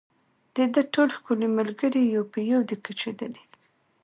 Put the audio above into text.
د ده ټول ښکلي ملګري یو په یو دي کوچېدلي